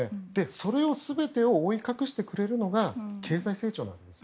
それを覆い隠してくれるのが経済成長だったんです。